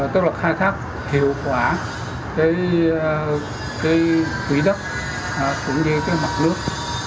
tức là khai thác hiệu quả quỷ đất cũng như mặt nước